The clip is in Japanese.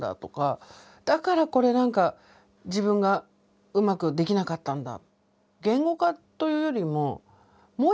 「だからこれ何か自分がうまくできなかったんだ」。